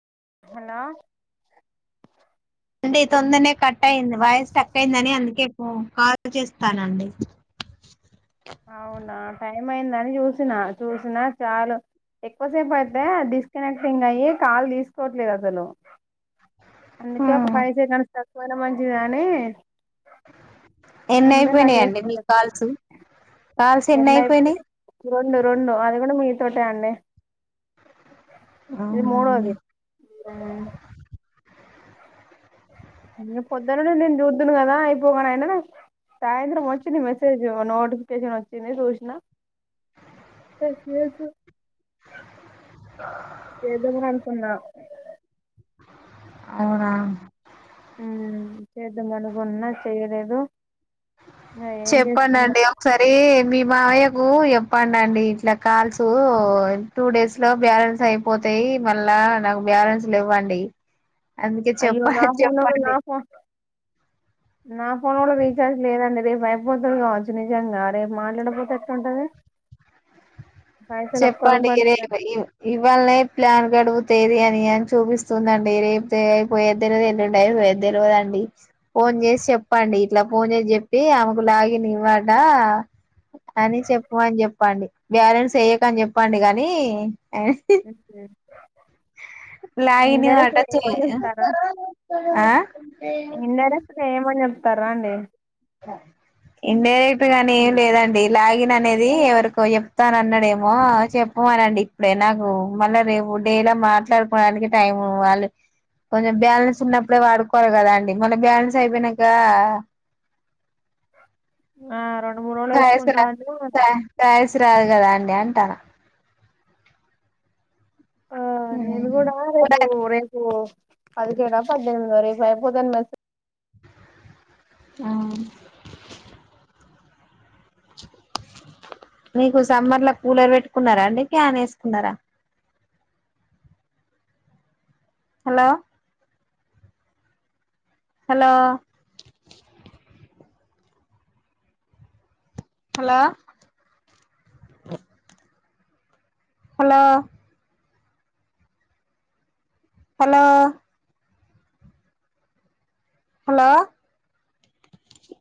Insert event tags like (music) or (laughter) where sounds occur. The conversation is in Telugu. హలో అంటే తొందరనే కట్ అయిందని వాయిస్ స్ట్రక్ అయిందని అందుకే కాల్ చేస్తానండి. అవునా టైం అయిందని చూసినా చూసినా చాలు ఎక్కువసేపు అయితే డిస్కనెక్ట్ అయ్యి కాల్ తీసుకోవట్లేదు. అసలు అందుకే ఒక హ్మ్ ఫై సెకన్సు తక్కువనా మంచిది కాని ఎన్నయిపోయినాయండి చేస్తాను మీకు కాల్సు కాల్స్ ఎన్ని అయిపోయినాయి. రెండు రెండు అది కూడా మీ తోటే అండి. ఇది అవునండి మూడోది ఆ ఇంక పొద్దున్న నుండి నేను చూదును కదా అయిపోగాను అయనా సాయంత్రం వచ్చింది మెసేజ్ నోటిఫికేషన్ వచ్చింది. చూసిన ఆ చేదాంలే అనుకున్న అవునా చేద్దామనుకున్నా చేయలేదు. ఏం చేస్తున్నా చేపండండి ఒకసారి మీ మావయ్యకు చెప్పండి అండి ఇట్లా కాల్సు టూ డేస్ లో బ్యాలెన్స్ అయిపోతాయి. మళ్ళా నాకు బ్యాలెన్స్ లేవుండి. అందుకే అయ్యో నా చెప్పాలి ఫోన్ లో నా చెప్పండి. ఫోన్ నా ఫోన్ కూడా రీఛార్జ్ లేదండి. రేపు అయిపోతుంది కావచ్చు నిజంగా రేపు మాట్లాడపోతే ఎట్లాంటది. చెప్పండి ఇగ రేపే ఇవ్వాలనే నైట్ ప్లాన్ గడుపుతేది అని అని చూపిస్తుందండి. రేపు అయిపోయేది తెల్వది. ఏలూండి పోయ తెలియదుండి ఫోన్ చేసి చెప్పండి ఇట్లా ఫోన్ చేసి చెప్పి ఆమెకు లాగిన్ ఇవ్వడా అని చెప్పమని చెప్పండి బ్యాలెన్స్ వేయకపోతే అని చెప్పండి గానీ, లైని ఇండైరెక్ట్ మాట గా చె ఏమని చెప్తారా ఆ తారండి ఇన్ డైరెక్ట్ గాని ఏం లేదండి లాగిన్ అనేది ఎవరికో చెప్తాన అన్నాడేమో చెప్పమనండి ఇప్పుడే నాకు మళ్ళా రేపు డేలా మాట్లాడుకోడానికి టైం వాళ్ళు కొంచెం బ్యాలన్స్ ఉన్నపు ఇప్పుడే వాడుకోవాలి కదా అండి మళ్ళ బ్యాలెన్స్ అయిపోయినంక ఆ ర (unintelligible) రాదు కదా అండి అంటాన ఆ నేను కూడా రేపు రేపు పదిహేడో పద్దెమిది రేపు అయిపోయింది అన్ని మెసేజ్ ఆ మీకు సమ్మర్ లో కూలర్ పెట్టుకున్నారా అండి ఫ్యాన్ వేసుకున్నారా hello hello hello hello hello hollow